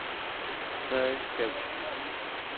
C. Catch.